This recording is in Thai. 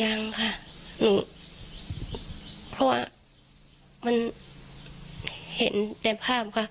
ยังค่ะหนูเพราะว่ามันเห็นแต่ภาพค่ะ